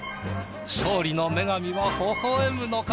勝利の女神はほほ笑むのか？